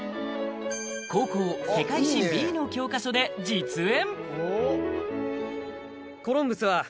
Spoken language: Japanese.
高校・世界史Ｂの教科書で実演